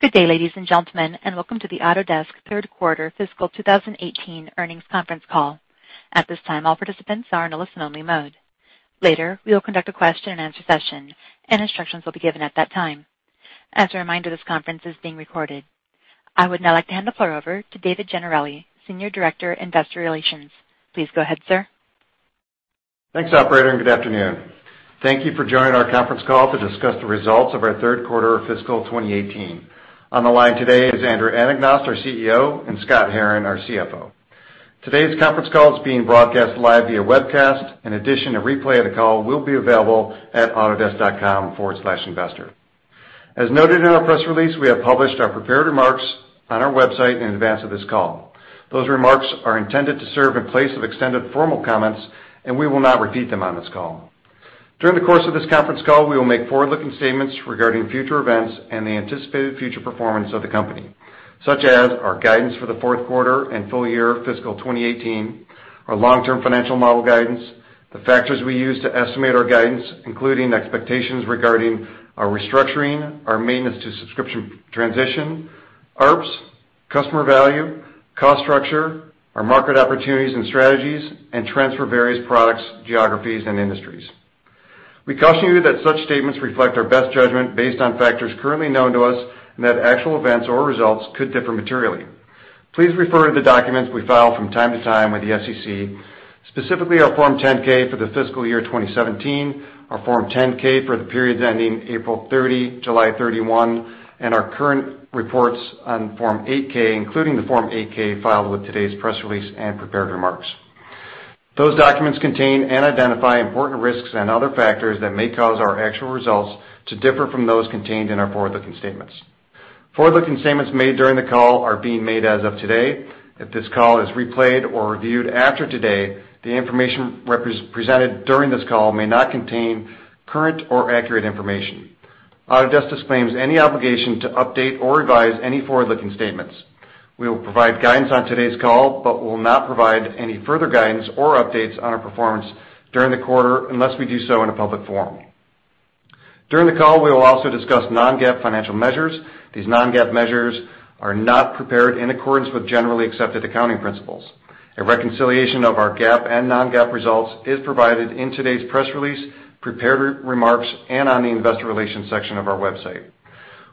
Good day, ladies and gentlemen, and welcome to the Autodesk third quarter fiscal 2018 earnings conference call. At this time, all participants are in a listen-only mode. Later, we will conduct a question and answer session, and instructions will be given at that time. As a reminder, this conference is being recorded. I would now like to hand the floor over to David Gennarelli, Senior Director, Investor Relations. Please go ahead, sir. Thanks, operator. Good afternoon. Thank you for joining our conference call to discuss the results of our third quarter of fiscal 2018. On the line today is Andrew Anagnost, our CEO, and Scott Herren, our CFO. Today's conference call is being broadcast live via webcast. In addition, a replay of the call will be available at autodesk.com/investor. As noted in our press release, we have published our prepared remarks on our website in advance of this call. Those remarks are intended to serve in place of extended formal comments. We will not repeat them on this call. During the course of this conference call, we will make forward-looking statements regarding future events and the anticipated future performance of the company, such as our guidance for the fourth quarter and full year fiscal 2018, our long-term financial model guidance, the factors we use to estimate our guidance, including expectations regarding our restructuring, our Maintenance to Subscription transition, ARPS, customer value, cost structure, our market opportunities and strategies, and trends for various products, geographies, and industries. We caution you that such statements reflect our best judgment based on factors currently known to us and that actual events or results could differ materially. Please refer to the documents we file from time to time with the SEC, specifically our Form 10-K for the fiscal year 2017, our Form 10-K for the periods ending April 30, July 31, and our current reports on Form 8-K, including the Form 8-K filed with today's press release and prepared remarks. Those documents contain and identify important risks and other factors that may cause our actual results to differ from those contained in our forward-looking statements. Forward-looking statements made during the call are being made as of today. If this call is replayed or reviewed after today, the information presented during this call may not contain current or accurate information. Autodesk disclaims any obligation to update or revise any forward-looking statements. We will provide guidance on today's call but will not provide any further guidance or updates on our performance during the quarter unless we do so in a public forum. During the call, we will also discuss non-GAAP financial measures. These non-GAAP measures are not prepared in accordance with generally accepted accounting principles. A reconciliation of our GAAP and non-GAAP results is provided in today's press release, prepared remarks, and on the investor relations section of our website.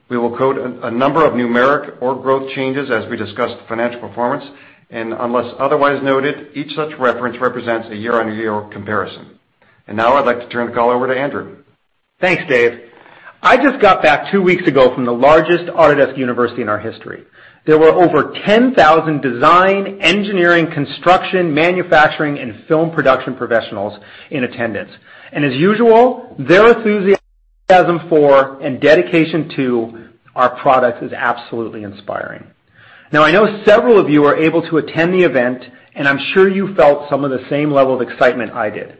We will quote a number of numeric or growth changes as we discuss the financial performance, and unless otherwise noted, each such reference represents a year-over-year comparison. Now I'd like to turn the call over to Andrew. Thanks, Dave. I just got back two weeks ago from the largest Autodesk University in our history. There were over 10,000 design, engineering, construction, manufacturing, and film production professionals in attendance. As usual, their enthusiasm for and dedication to our product is absolutely inspiring. I know several of you were able to attend the event, and I'm sure you felt some of the same level of excitement I did.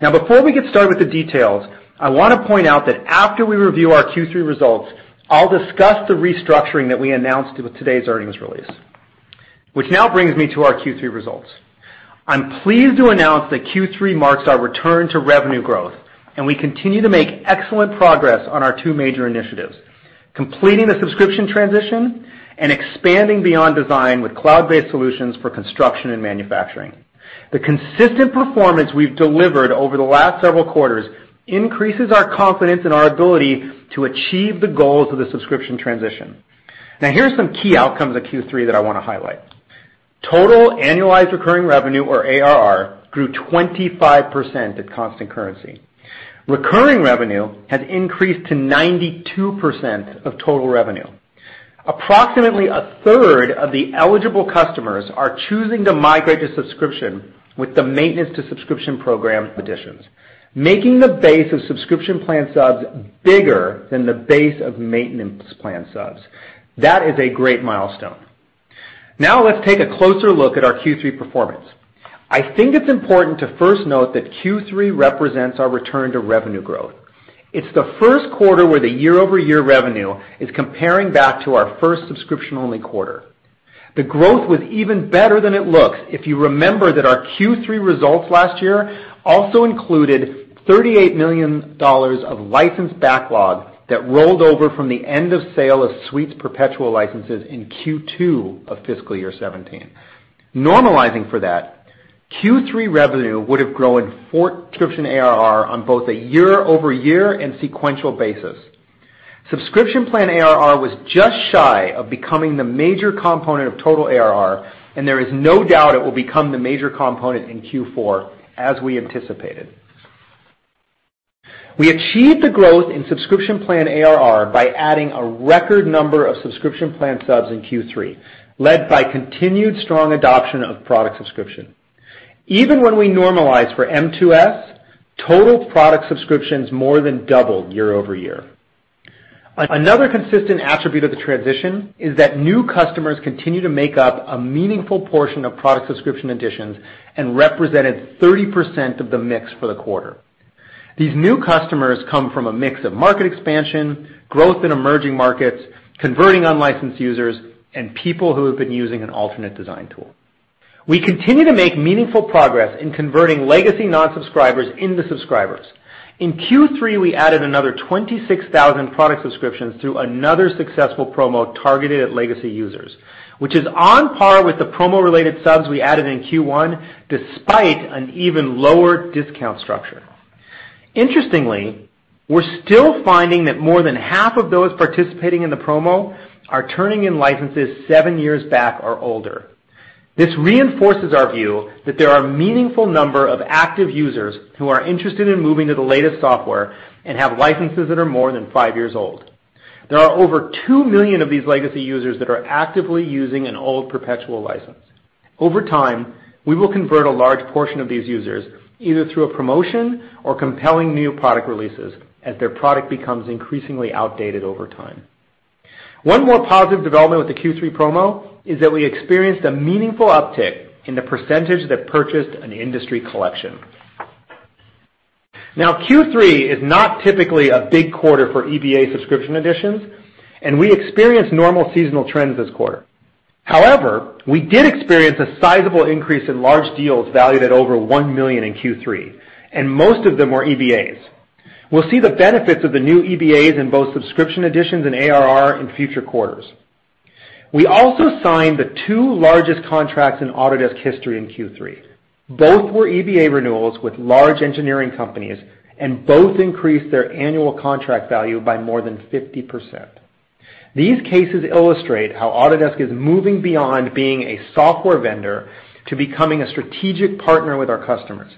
Before we get started with the details, I wanna point out that after we review our Q3 results, I'll discuss the restructuring that we announced with today's earnings release. Which now brings me to our Q3 results. I'm pleased to announce that Q3 marks our return to revenue growth, and we continue to make excellent progress on our two major initiatives, completing the subscription transition and expanding beyond design with cloud-based solutions for construction and manufacturing. The consistent performance we've delivered over the last several quarters increases our confidence in our ability to achieve the goals of the subscription transition. Here's some key outcomes of Q3 that I wanna highlight. Total annualized recurring revenue, or ARR, grew 25% at constant currency. Recurring revenue has increased to 92% of total revenue. Approximately a third of the eligible customers are choosing to migrate to subscription with the Maintenance to Subscription program additions, making the base of subscription plan subs bigger than the base of maintenance plan subs. That is a great milestone. Let's take a closer look at our Q3 performance. I think it's important to first note that Q3 represents our return to revenue growth. It's the first quarter where the year-over-year revenue is comparing back to our first subscription-only quarter. The growth was even better than it looks if you remember that our Q3 results last year also included $38 million of licensed backlog that rolled over from the end of sale of Autodesk Suites perpetual licenses in Q2 of fiscal year 2017. Normalizing for that, Q3 revenue would have grown subscription ARR on both a year-over-year and sequential basis. Subscription plan ARR was just shy of becoming the major component of total ARR, and there is no doubt it will become the major component in Q4, as we anticipated. We achieved the growth in subscription plan ARR by adding a record number of subscription plan subs in Q3, led by continued strong adoption of product subscription. Even when we normalize for M2S, total product subscriptions more than doubled year-over-year. Another consistent attribute of the transition is that new customers continue to make up a meaningful portion of product subscription additions and represented 30% of the mix for the quarter. These new customers come from a mix of market expansion, growth in emerging markets, converting unlicensed users, and people who have been using an alternate design tool. We continue to make meaningful progress in converting legacy non-subscribers into subscribers. In Q3, we added another 26,000 product subscriptions through another successful promo targeted at legacy users, which is on par with the promo-related subs we added in Q1, despite an even lower discount structure. Interestingly, we're still finding that more than half of those participating in the promo are turning in licenses seven years back or older. This reinforces our view that there are a meaningful number of active users who are interested in moving to the latest software and have licenses that are more than five years old. There are over 2 million of these legacy users that are actively using an old perpetual license. Over time, we will convert a large portion of these users, either through a promotion or compelling new product releases, as their product becomes increasingly outdated over time. One more positive development with the Q3 promo is that we experienced a meaningful uptick in the percentage that purchased an Industry Collection. Q3 is not typically a big quarter for EBA subscription additions. We experienced normal seasonal trends this quarter. However, we did experience a sizable increase in large deals valued at over $1 million in Q3. Most of them were EBAs. We'll see the benefits of the new EBAs in both subscription additions and ARR in future quarters. We also signed the two largest contracts in Autodesk history in Q3. Both were EBA renewals with large engineering companies, and both increased their annual contract value by more than 50%. These cases illustrate how Autodesk is moving beyond being a software vendor to becoming a strategic partner with our customers.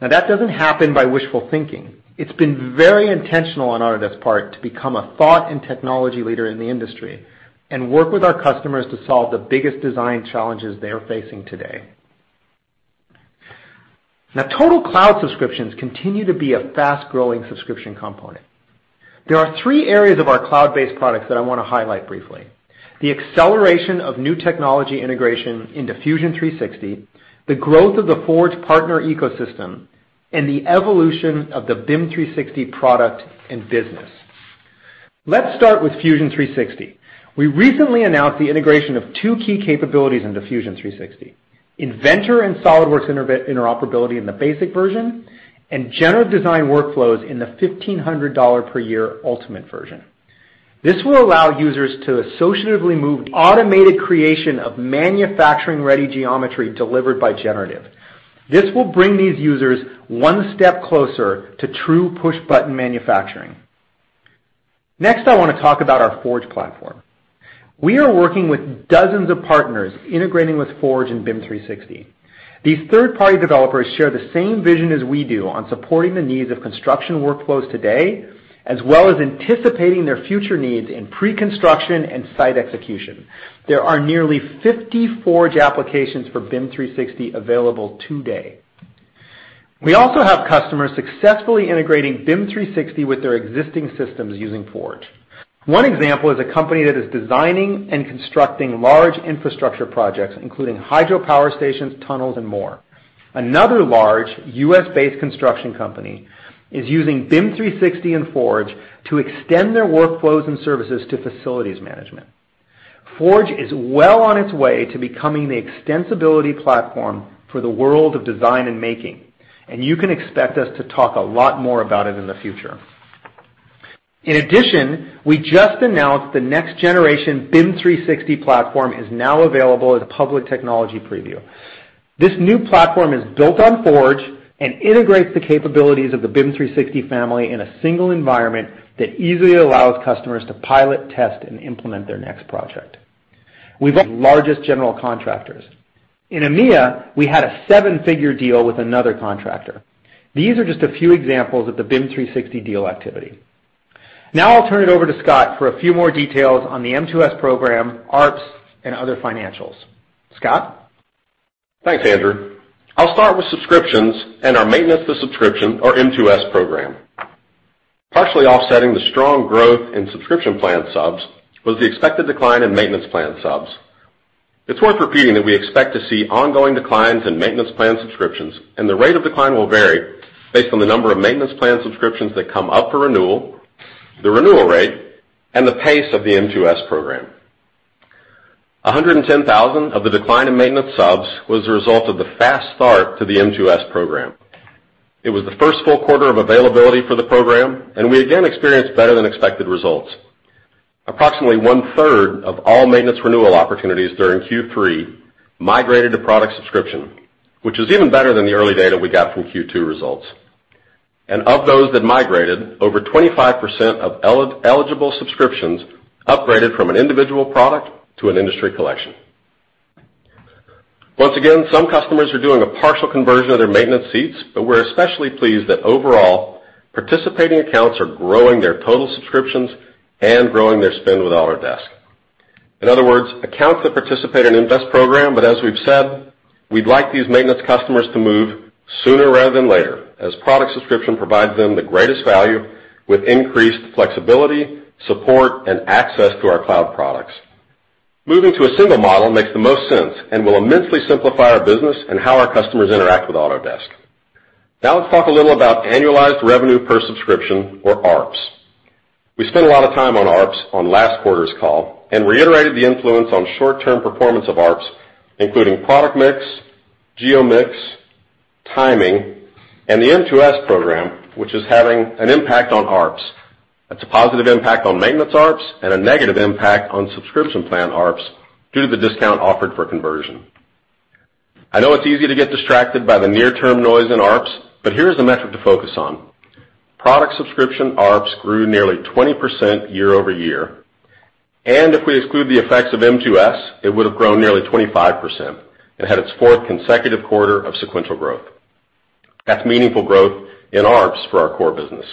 That doesn't happen by wishful thinking. It's been very intentional on Autodesk part to become a thought and technology leader in the industry and work with our customers to solve the biggest design challenges they're facing today. Total cloud subscriptions continue to be a fast-growing subscription component. There are three areas of our cloud-based products that I want to highlight briefly: the acceleration of new technology integration into Fusion 360, the growth of the Forge partner ecosystem, and the evolution of the BIM 360 product and business. Let's start with Fusion 360. We recently announced the integration of two key capabilities into Fusion 360. Inventor and SolidWorks interoperability in the basic version, and generative design workflows in the $1,500 per year ultimate version. This will allow users to associatively move automated creation of manufacturing-ready geometry delivered by generative. This will bring these users one step closer to true push-button manufacturing. Next, I want to talk about our Forge platform. We are working with dozens of partners integrating with Forge and BIM 360. These third-party developers share the same vision as we do on supporting the needs of construction workflows today, as well as anticipating their future needs in pre-construction and site execution. There are nearly 50 Forge applications for BIM 360 available today. We also have customers successfully integrating BIM 360 with their existing systems using Forge. One example is a company that is designing and constructing large infrastructure projects, including hydropower stations, tunnels, and more. Another large U.S.-based construction company is using BIM 360 and Forge to extend their workflows and services to facilities management. Forge is well on its way to becoming the extensibility platform for the world of design and making, and you can expect us to talk a lot more about it in the future. In addition, we just announced the next-generation BIM 360 platform is now available as a public technology preview. This new platform is built on Forge and integrates the capabilities of the BIM 360 family in a single environment that easily allows customers to pilot, test, and implement their next project. We've got largest general contractors. In EMEA, we had a seven-figure deal with another contractor. These are just a few examples of the BIM 360 deal activity. I'll turn it over to Scott for a few more details on the M2S program, ARPS, and other financials. Scott? Thanks, Andrew. I'll start with subscriptions and our Maintenance to Subscription, or M2S program. Partially offsetting the strong growth in subscription plan subs was the expected decline in maintenance plan subs. It's worth repeating that we expect to see ongoing declines in maintenance plan subscriptions, and the rate of decline will vary based on the number of maintenance plan subscriptions that come up for renewal, the renewal rate, and the pace of the M2S program. 110,000 of the decline in maintenance subs was the result of the fast start to the M2S program. It was the first full quarter of availability for the program, and we again experienced better than expected results. Approximately one-third of all maintenance renewal opportunities during Q3 migrated to product subscription, which is even better than the early data we got from Q2 results. Of those that migrated, over 25% of eligible subscriptions upgraded from an individual product to an Industry Collection. Once again, some customers are doing a partial conversion of their maintenance seats, but we're especially pleased that overall, participating accounts are growing their total subscriptions and growing their spend with Autodesk. In other words, accounts that participate in M2S program, but as we've said, we'd like these maintenance customers to move sooner rather than later, as product subscription provides them the greatest value with increased flexibility, support, and access to our cloud products. Moving to a single model makes the most sense and will immensely simplify our business and how our customers interact with Autodesk. Let's talk a little about Annualized Revenue Per Subscription, or ARPS. We spent a lot of time on ARPS on last quarter's call and reiterated the influence on short-term performance of ARPS, including product mix, geo mix, timing, and the M2S program, which is having an impact on ARPS. That's a positive impact on maintenance ARPS and a negative impact on subscription plan ARPS due to the discount offered for conversion. I know it's easy to get distracted by the near-term noise in ARPS, but here is the metric to focus on. Product subscription ARPS grew nearly 20% year-over-year, and if we exclude the effects of M2S, it would have grown nearly 25% and had its fourth consecutive quarter of sequential growth. That's meaningful growth in ARPS for our core business.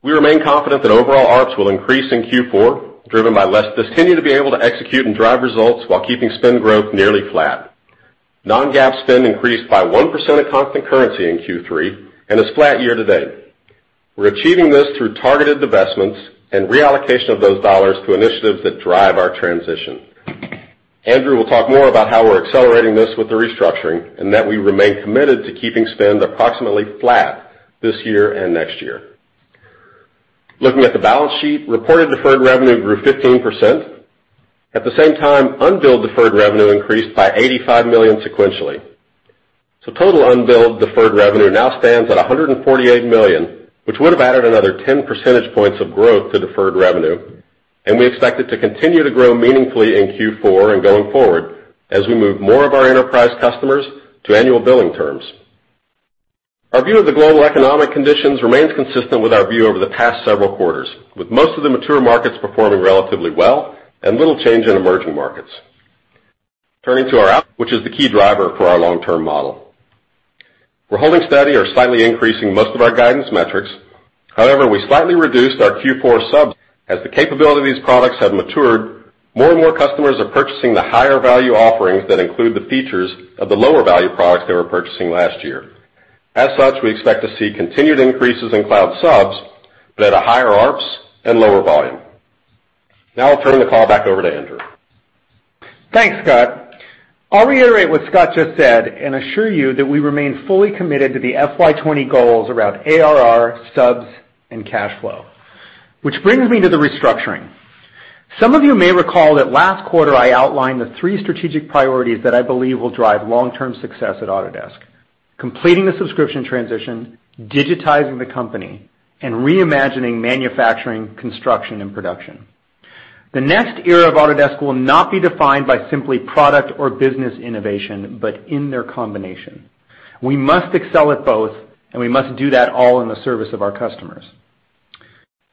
We remain confident that overall ARPS will increase in Q4, driven by less continue to be able to execute and drive results while keeping spend growth nearly flat. non-GAAP spend increased by 1% of constant currency in Q3 and is flat year-to-date. We're achieving this through targeted divestments and reallocation of those dollars to initiatives that drive our transition. Andrew will talk more about how we're accelerating this with the restructuring and that we remain committed to keeping spend approximately flat this year and next year. Looking at the balance sheet, reported deferred revenue grew 15%. At the same time, unbilled deferred revenue increased by $85 million sequentially. Total unbilled deferred revenue now stands at $148 million, which would have added another 10 percentage points of growth to deferred revenue, and we expect it to continue to grow meaningfully in Q4 and going forward as we move more of our enterprise customers to annual billing terms. Our view of the global economic conditions remains consistent with our view over the past several quarters, with most of the mature markets performing relatively well and little change in emerging markets. Turning to our which is the key driver for our long-term model. We're holding steady or slightly increasing most of our guidance metrics. However, we slightly reduced our Q4 subs. As the capability of these products have matured, more and more customers are purchasing the higher-value offerings that include the features of the lower-value products they were purchasing last year. As such, we expect to see continued increases in cloud subs, but at a higher ARPS and lower volume. Now I'll turn the call back over to Andrew. Thanks, Scott. I'll reiterate what Scott just said and assure you that we remain fully committed to the FY 2020 goals around ARR, subs, and cash flow. Which brings me to the restructuring. Some of you may recall that last quarter I outlined the three strategic priorities that I believe will drive long-term success at Autodesk: completing the subscription transition, digitizing the company, and reimagining manufacturing, construction, and production. The next era of Autodesk will not be defined by simply product or business innovation, but in their combination. We must excel at both, and we must do that all in the service of our customers.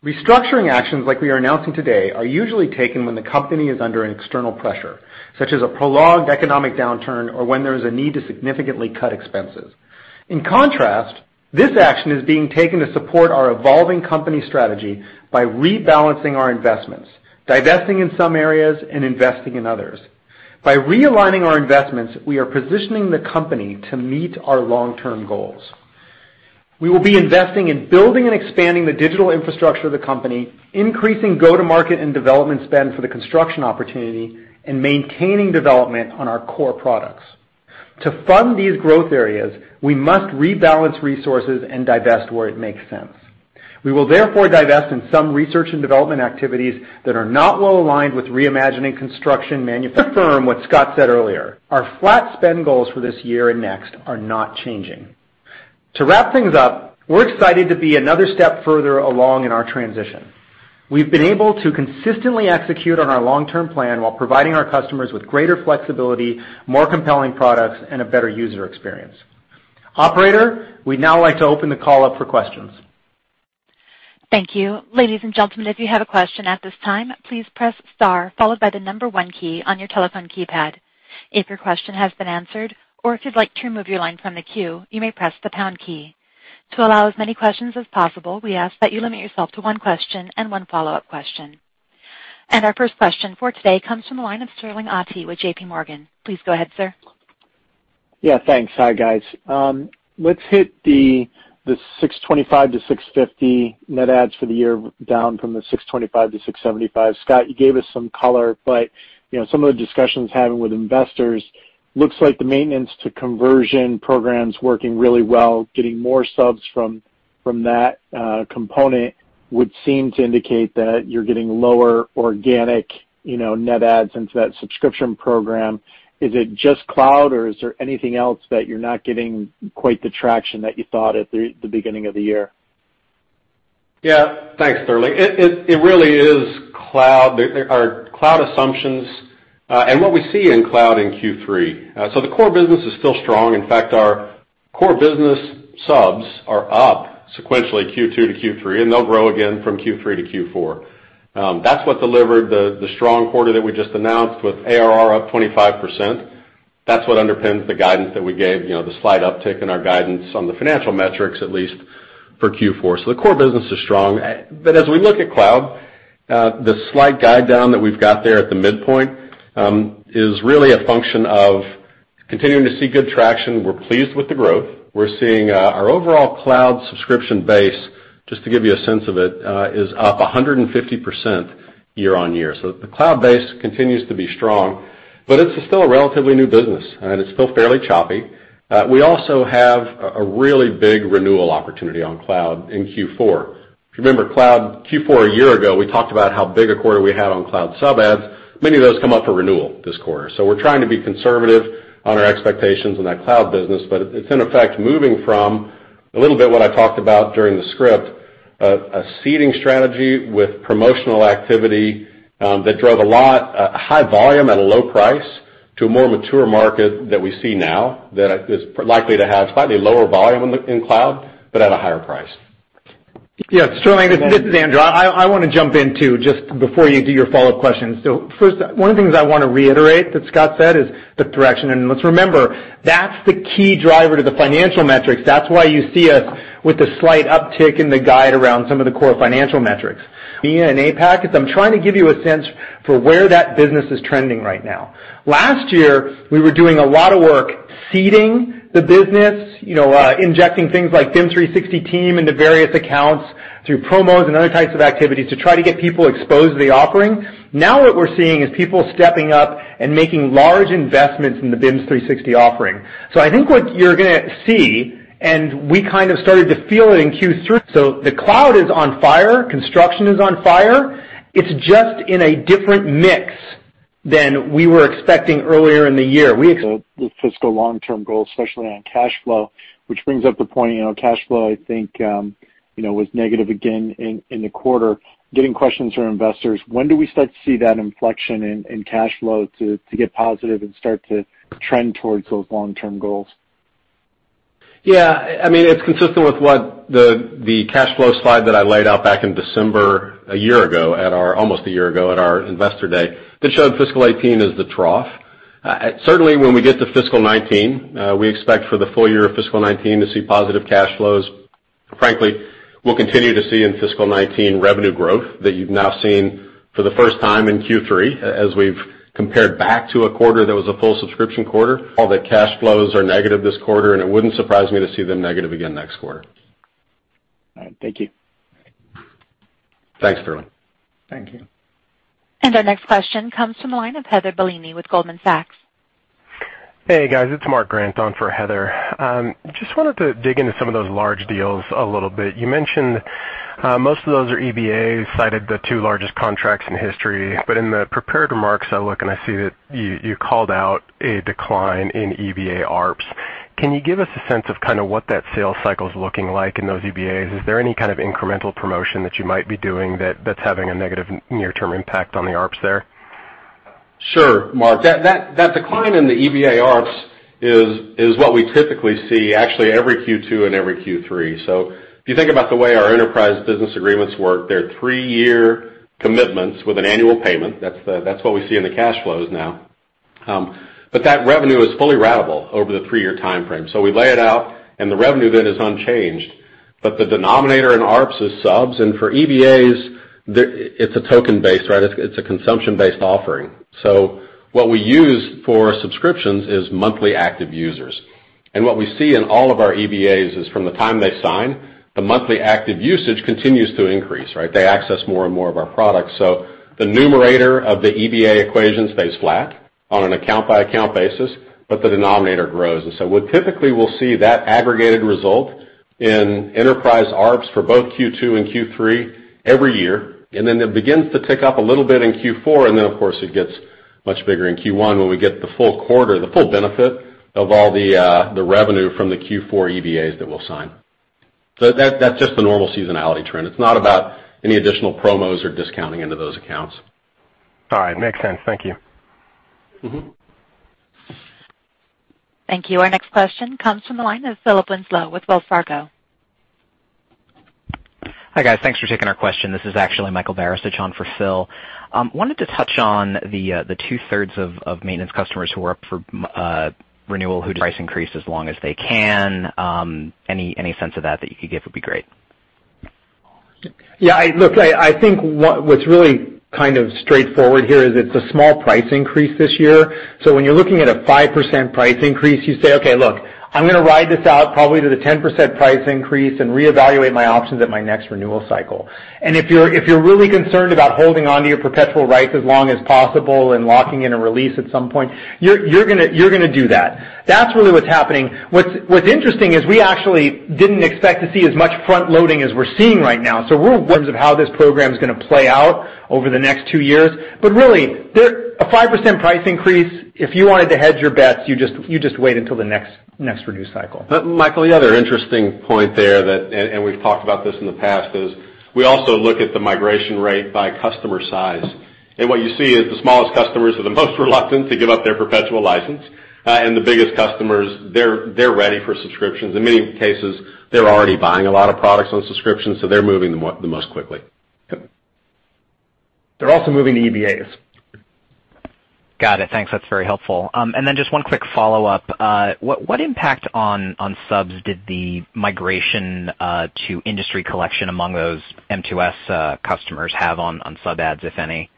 Restructuring actions like we are announcing today are usually taken when the company is under an external pressure, such as a prolonged economic downturn or when there is a need to significantly cut expenses. In contrast, this action is being taken to support our evolving company strategy by rebalancing our investments, divesting in some areas and investing in others. By realigning our investments, we are positioning the company to meet our long-term goals. We will be investing in building and expanding the digital infrastructure of the company, increasing go-to-market and development spend for the construction opportunity, and maintaining development on our core products. To fund these growth areas, we must rebalance resources and divest where it makes sense. We will therefore divest in some research and development activities that are not well aligned with reimagining construction. To affirm what Scott said earlier, our flat spend goals for this year and next are not changing. To wrap things up, we're excited to be another step further along in our transition. We've been able to consistently execute on our long-term plan while providing our customers with greater flexibility, more compelling products, and a better user experience. Operator, we'd now like to open the call up for questions. Thank you. Ladies and gentlemen, if you have a question at this time, please press star followed by the number one key on your telephone keypad. If your question has been answered or if you'd like to remove your line from the queue, you may press the pound key. To allow as many questions as possible, we ask that you limit yourself to one question and one follow-up question. Our first question for today comes from the line of Sterling Auty with JPMorgan. Please go ahead, sir. Yeah, thanks. Hi, guys. Let's hit the 625-650 net adds for the year down from the 625-675. Scott, you gave us some color, but some of the discussions having with investors looks like the Maintenance to Subscription programs working really well, getting more subs from that component would seem to indicate that you're getting lower organic net adds into that subscription program. Is it just cloud, or is there anything else that you're not getting quite the traction that you thought at the beginning of the year? Yeah. Thanks, Sterling. It really is cloud. There are cloud assumptions and what we see in cloud in Q3. The core business is still strong. In fact, our core business subs are up sequentially Q2 to Q3, and they'll grow again from Q3 to Q4. That's what delivered the strong quarter that we just announced with ARR up 25%. That's what underpins the guidance that we gave, the slight uptick in our guidance on the financial metrics, at least for Q4. The core business is strong. As we look at cloud, the slight guide down that we've got there at the midpoint is really a function of continuing to see good traction. We're pleased with the growth. We're seeing our overall cloud subscription base, just to give you a sense of it, is up 150% year-on-year. The cloud base continues to be strong. It's still a relatively new business, and it's still fairly choppy. We also have a really big renewal opportunity on cloud in Q4. If you remember cloud Q4 a year ago, we talked about how big a quarter we had on cloud sub adds. Many of those come up for renewal this quarter. We're trying to be conservative on our expectations in that cloud business, it's in effect, moving from a little bit what I talked about during the script, a seeding strategy with promotional activity, that drove a lot high volume at a low price to a more mature market that we see now that is likely to have slightly lower volume in cloud but at a higher price. Yes, Sterling, this is Andrew. I want to jump in, too, just before you do your follow-up question. First, one of the things I want to reiterate that Scott said is the direction. Let's remember, that's the key driver to the financial metrics. That's why you see us with a slight uptick in the guide around some of the core financial metrics. In APAC, I'm trying to give you a sense for where that business is trending right now. Last year, we were doing a lot of work seeding the business, injecting things like BIM 360 Team into various accounts through promos and other types of activities to try to get people exposed to the offering. Now what we're seeing is people stepping up and making large investments in the BIM 360 offering. I think what you're going to see, we kind of started to feel it in Q3. The cloud is on fire. Construction is on fire. It's just in a different mix than we were expecting earlier in the year. The fiscal long-term goal, especially on cash flow, which brings up the point, cash flow, I think, was negative again in the quarter. Getting questions from investors, when do we start to see that inflection in cash flow to get positive and start to trend towards those long-term goals? Yeah. It's consistent with what the cash flow slide that I laid out back in December, almost a year ago, at our Investor Day, that showed fiscal 2018 as the trough. Certainly, when we get to fiscal 2019, we expect for the full year of fiscal 2019 to see positive cash flows. Frankly, we'll continue to see in fiscal 2019 revenue growth that you've now seen for the first time in Q3, as we've compared back to a quarter that was a full subscription quarter. All the cash flows are negative this quarter, and it wouldn't surprise me to see them negative again next quarter. All right. Thank you. Thanks, Sterling. Thank you. Our next question comes from the line of Heather Bellini with Goldman Sachs. Hey, guys. It's Mark Grant on for Heather. Just wanted to dig into some of those large deals a little bit. You mentioned most of those are EBAs, cited the two largest contracts in history. In the prepared remarks, I look, I see that you called out a decline in EBA ARPS. Can you give us a sense of what that sales cycle is looking like in those EBAs? Is there any kind of incremental promotion that you might be doing that's having a negative near-term impact on the ARPS there? Sure, Mark. That decline in the EBA ARPS is what we typically see, actually, every Q2 and every Q3. If you think about the way our enterprise business agreements work, they're three-year commitments with an annual payment. That's what we see in the cash flows now. That revenue is fully ratable over the three-year timeframe. We lay it out, the revenue then is unchanged. The denominator in ARPS is subs, for EBAs, it's a token-based, it's a consumption-based offering. What we use for subscriptions is monthly active users. What we see in all of our EBAs is from the time they sign, the monthly active usage continues to increase. They access more and more of our products. The numerator of the EBA equation stays flat on an account-by-account basis, the denominator grows. What typically we'll see that aggregated result in enterprise ARPS for both Q2 and Q3 every year, and then it begins to tick up a little bit in Q4, and then, of course, it gets much bigger in Q1 when we get the full quarter, the full benefit of all the revenue from the Q4 EBAs that we'll sign. That's just the normal seasonality trend. It's not about any additional promos or discounting into those accounts. All right. Makes sense. Thank you. Thank you. Our next question comes from the line of Philip Winslow with Wells Fargo. Hi, guys. Thanks for taking our question. This is actually Michael Barisich on for Phil. Wanted to touch on the two-thirds of maintenance customers who are up for renewal who price increase as long as they can. Any sense of that you could give would be great. I think what's really straightforward here is it's a small price increase this year. When you're looking at a 5% price increase, you say, "Okay, look, I'm going to ride this out probably to the 10% price increase and reevaluate my options at my next renewal cycle." If you're really concerned about holding onto your perpetual rights as long as possible and locking in a release at some point, you're going to do that. That's really what's happening. What's interesting is we actually didn't expect to see as much front-loading as we're seeing right now in terms of how this program is going to play out over the next two years. Really, a 5% price increase, if you wanted to hedge your bets, you just wait until the next review cycle. Michael, the other interesting point there that we've talked about this in the past, is we also look at the migration rate by customer size. What you see is the smallest customers are the most reluctant to give up their perpetual license, and the biggest customers, they're ready for subscriptions. In many cases, they're already buying a lot of products on subscriptions, so they're moving the most quickly. They're also moving to EBAs. Got it. Thanks. That's very helpful. Then just one quick follow-up. What impact on subs did the migration to Industry Collection among those M2S customers have on sub adds, if any?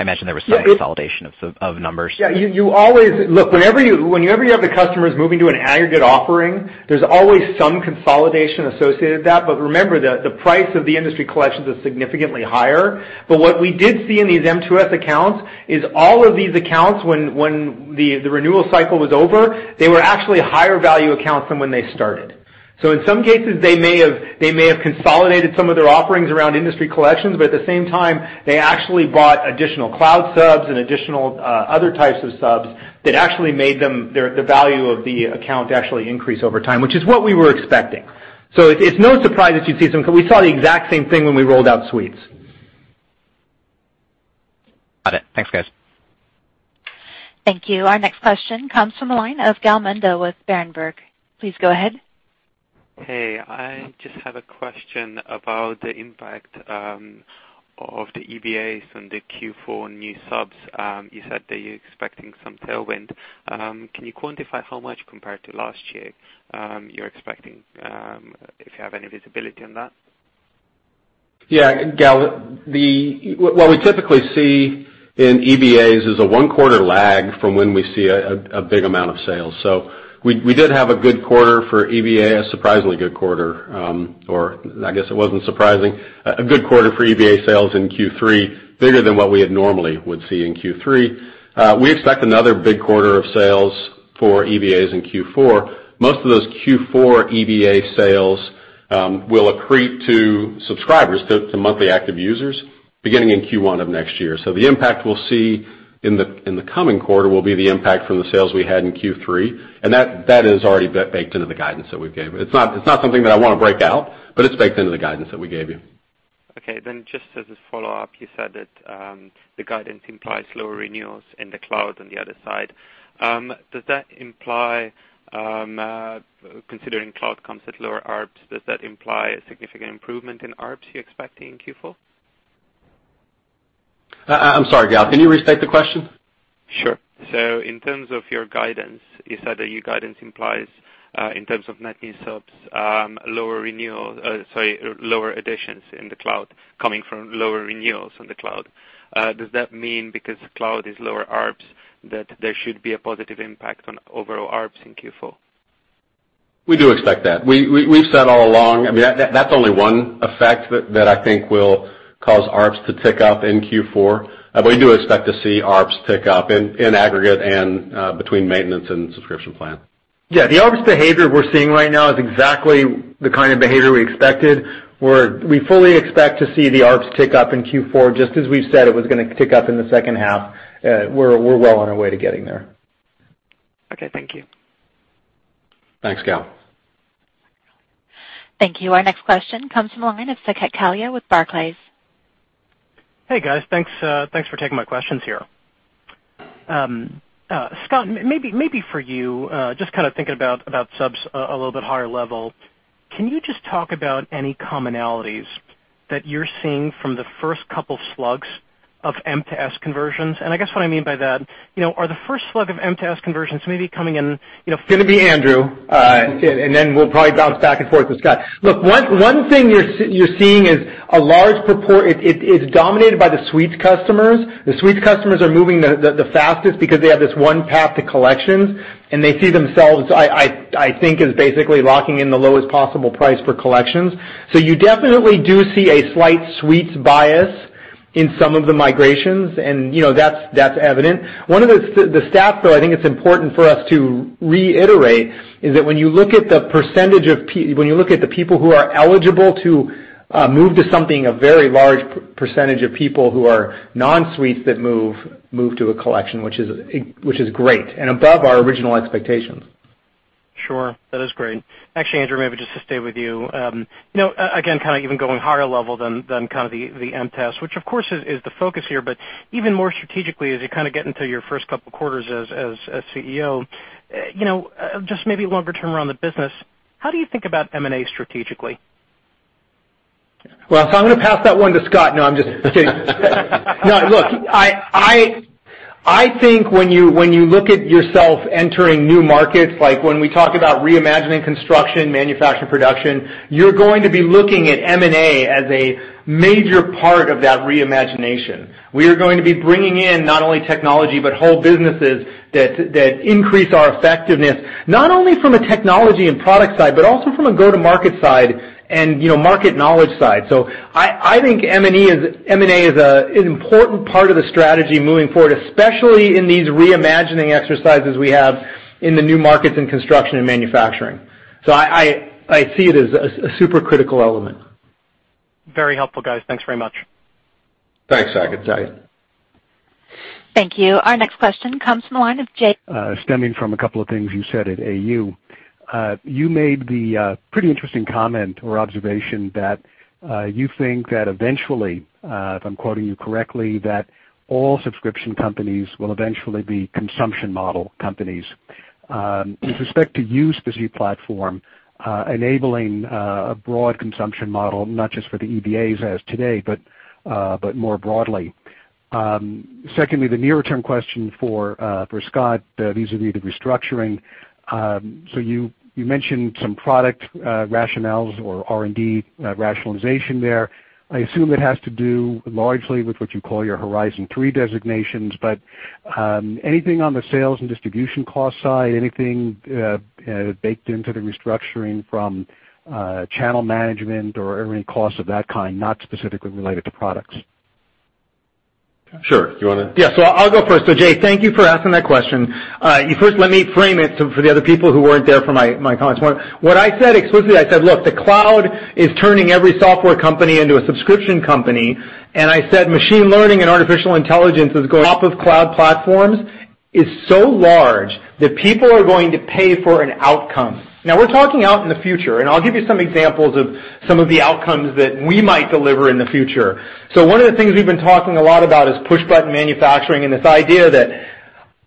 I imagine there was some consolidation of numbers. Yeah, whenever you have the customers moving to an aggregate offering, there's always some consolidation associated with that. Remember that the price of the Industry Collections is significantly higher. What we did see in these M2S accounts is all of these accounts, when the renewal cycle was over, they were actually higher-value accounts than when they started. In some cases, they may have consolidated some of their offerings around Industry Collections, but at the same time, they actually bought additional cloud subs and additional other types of subs that actually made the value of the account actually increase over time, which is what we were expecting. It's no surprise that you'd see some, because we saw the exact same thing when we rolled out Suites. Got it. Thanks, guys. Thank you. Our next question comes from the line of Gal Mendo with Berenberg. Please go ahead. Hey, I just have a question about the impact of the EBAs and the Q4 new subs. You said that you're expecting some tailwind. Can you quantify how much compared to last year you're expecting, if you have any visibility on that? Gal, what we typically see in EBAs is a one-quarter lag from when we see a big amount of sales. We did have a good quarter for EBA, a surprisingly good quarter, or I guess it wasn't surprising, a good quarter for EBA sales in Q3, bigger than what we normally would see in Q3. We expect another big quarter of sales for EBAs in Q4. Most of those Q4 EBA sales will accrete to subscribers, to monthly active users, beginning in Q1 of next year. The impact we'll see in the coming quarter will be the impact from the sales we had in Q3. That is already baked into the guidance that we gave. It's not something that I want to break out, but it's baked into the guidance that we gave you. Just as a follow-up, you said that the guidance implies lower renewals in the cloud on the other side. Considering cloud comes at lower ARPS, does that imply a significant improvement in ARPS you're expecting in Q4? I'm sorry, Gal, can you restate the question? Sure. In terms of your guidance, you said that your guidance implies, in terms of net new subs, lower additions in the cloud coming from lower renewals in the cloud. Does that mean because cloud is lower ARPS, that there should be a positive impact on overall ARPS in Q4? We do expect that. We've said all along, that's only one effect that I think will cause ARPS to tick up in Q4. We do expect to see ARPS tick up in aggregate and between maintenance and subscription plans. Yeah, the ARPS behavior we're seeing right now is exactly the kind of behavior we expected, where we fully expect to see the ARPS tick up in Q4, just as we've said it was going to tick up in the second half. We're well on our way to getting there. Okay, thank you. Thanks, Gal. Thank you. Our next question comes from the line of Saket Kalia with Barclays. Hey, guys. Thanks for taking my questions here. Scott, maybe for you, just kind of thinking about subs a little bit higher level, can you just talk about any commonalities that you're seeing from the first couple slugs of Maintenance to Subscription conversions? I guess what I mean by that, are the first slug of Maintenance to Subscription conversions maybe coming in? It's going to be Andrew, and then we'll probably bounce back and forth with Scott. Look, one thing you're seeing is it's dominated by the Suites customers. The Suites customers are moving the fastest because they have this one path to Collections, and they see themselves, I think, as basically locking in the lowest possible price for Collections. You definitely do see a slight Suites bias in some of the migrations, and that's evident. One of the stats, though, I think it's important for us to reiterate, is that when you look at the people who are eligible to move to something, a very large percentage of people who are non-Suites that move to a Collection, which is great and above our original expectations. Sure. That is great. Actually, Andrew, maybe just to stay with you. Again, kind of even going higher level than kind of the M2S, which of course is the focus here, but even more strategically, as you kind of get into your first couple quarters as CEO, just maybe longer term around the business, how do you think about M&A strategically? I'm going to pass that one to Scott. No, I'm just kidding. I think when you look at yourself entering new markets, like when we talk about re-imagining construction, manufacture, production, you're going to be looking at M&A as a major part of that re-imagination. We are going to be bringing in not only technology, but whole businesses that increase our effectiveness, not only from a technology and product side, but also from a go-to-market side and market knowledge side. I think M&A is an important part of the strategy moving forward, especially in these re-imagining exercises we have in the new markets in construction and manufacturing. I see it as a super critical element. Very helpful, guys. Thanks very much. Thanks, Saket. Thank you. Our next question comes from the line of Jay. Stemming from a couple of things you said at AU. You made the pretty interesting comment or observation that you think that eventually, if I'm quoting you correctly, that all subscription companies will eventually be consumption model companies. With respect to you, specifically platform, enabling a broad consumption model, not just for the EBAs as today, but more broadly. Secondly, the near-term question for Scott vis-à-vis the restructuring. You mentioned some product rationales or R&D rationalization there. I assume it has to do largely with what you call your Horizon 3 designations, but anything on the sales and distribution cost side, anything baked into the restructuring from channel management or any costs of that kind, not specifically related to products? Sure. Do you want to? Yeah. I'll go first. Jay, thank you for asking that question. First, let me frame it for the other people who weren't there for my comments. What I said explicitly, I said, "Look, the cloud is turning every software company into a subscription company." I said, "Machine learning and artificial intelligence is going off of cloud platforms, is so large that people are going to pay for an outcome." Now we're talking out in the future, and I'll give you some examples of some of the outcomes that we might deliver in the future. One of the things we've been talking a lot about is push-button manufacturing, and this idea that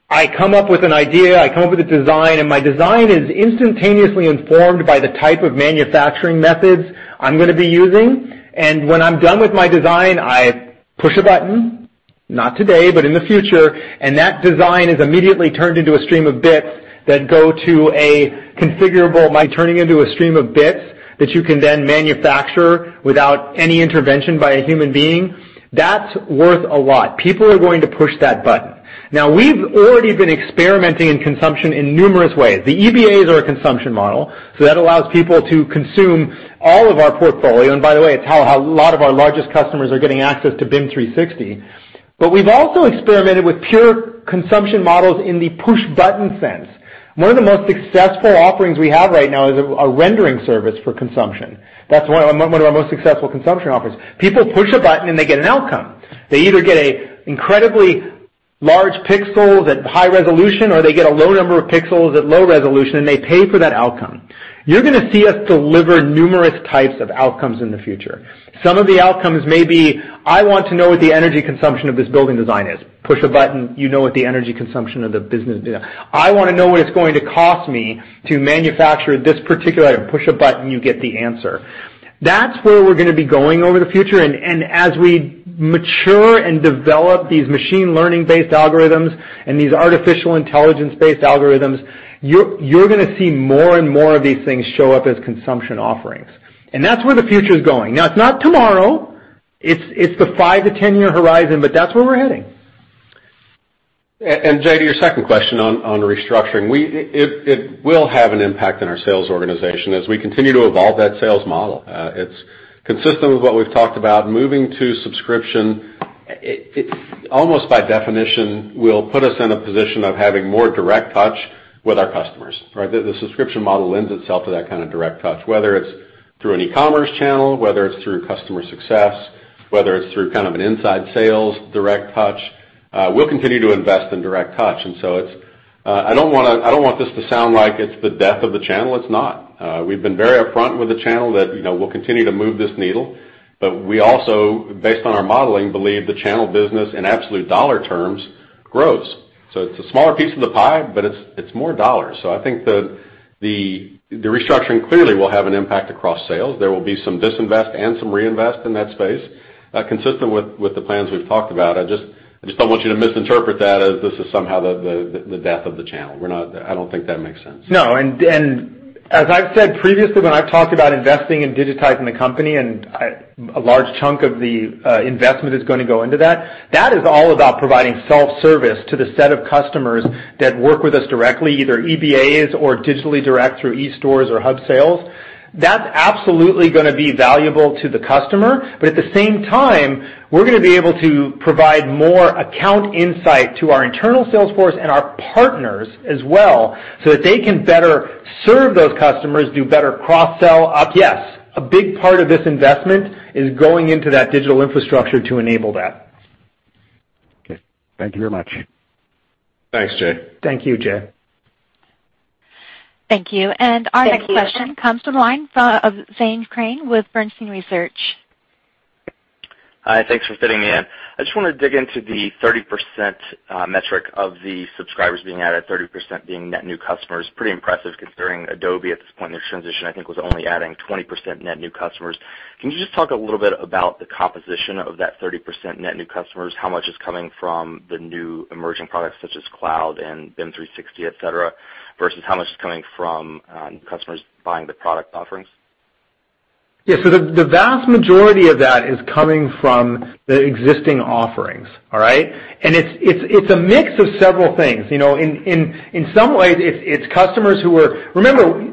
I come up with an idea, I come up with a design, and my design is instantaneously informed by the type of manufacturing methods I'm going to be using. When I'm done with my design, I push a button, not today, but in the future, that design is immediately turned into a stream of bits By turning into a stream of bits that you can then manufacture without any intervention by a human being. That's worth a lot. People are going to push that button. We've already been experimenting in consumption in numerous ways. The EBAs are a consumption model, so that allows people to consume all of our portfolio. By the way, it's how a lot of our largest customers are getting access to BIM 360. We've also experimented with pure consumption models in the push-button sense. One of the most successful offerings we have right now is a rendering service for consumption. That's one of our most successful consumption offers. People push a button, they get an outcome. They either get an incredibly large pixel that's high resolution, or they get a low number of pixels at low resolution, and they pay for that outcome. You're going to see us deliver numerous types of outcomes in the future. Some of the outcomes may be, I want to know what the energy consumption of this building design is. Push a button, you know what the energy consumption of the business is. I want to know what it's going to cost me to manufacture this particular item. Push a button, you get the answer. That's where we're going to be going over the future. As we mature and develop these machine learning-based algorithms and these artificial intelligence-based algorithms, you're going to see more and more of these things show up as consumption offerings. That's where the future is going. Now, it's not tomorrow. It's the 5 to 10-year horizon, that's where we're heading. Jay, to your second question on restructuring. It will have an impact on our sales organization as we continue to evolve that sales model. It's consistent with what we've talked about. Moving to subscription, almost by definition, will put us in a position of having more direct touch with our customers, right? The subscription model lends itself to that kind of direct touch, whether it's through an e-commerce channel, whether it's through customer success, whether it's through an inside sales direct touch. We'll continue to invest in direct touch. I don't want this to sound like it's the death of the channel. It's not. We've been very upfront with the channel that we'll continue to move this needle. We also, based on our modeling, believe the channel business in absolute dollar terms, grows. It's a smaller piece of the pie, but it's more dollars. I think the restructuring clearly will have an impact across sales. There will be some disinvest and some reinvest in that space, consistent with the plans we've talked about. I just don't want you to misinterpret that as this is somehow the death of the channel. I don't think that makes sense. No. As I've said previously, when I've talked about investing in digitizing the company and a large chunk of the investment is going to go into that is all about providing self-service to the set of customers that work with us directly, either EBAs or digitally direct through e stores or hub sales. That's absolutely going to be valuable to the customer. At the same time, we're going to be able to provide more account insight to our internal sales force and our partners as well, so that they can better serve those customers, do better cross-sell, up-sell. A big part of this investment is going into that digital infrastructure to enable that. Okay. Thank you very much. Thanks, Jay. Thank you, Jay. Thank you. Our next question comes from the line of Zane Crane with Bernstein Research. Hi. Thanks for fitting me in. I just want to dig into the 30% metric of the subscribers being added, 30% being net new customers. Pretty impressive considering Adobe at this point in their transition, I think, was only adding 20% net new customers. Can you just talk a little bit about the composition of that 30% net new customers? How much is coming from the new emerging products such as cloud and BIM 360, et cetera, versus how much is coming from customers buying the product offerings? Yeah. The vast majority of that is coming from the existing offerings. All right? It's a mix of several things. In some ways, it's customers. Remember,